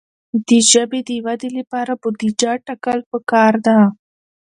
د ژبې د ودې لپاره بودیجه ټاکل پکار ده.